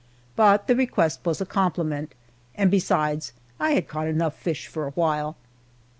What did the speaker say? But the request was a compliment, and besides, I had caught enough fish for a while.